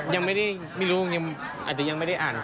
ยังไม่ได้ไม่รู้ยังอาจจะยังไม่ได้อ่าน